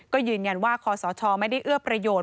ก็ยืนยันว่าคอสชไม่ได้เอื้อประโยชน์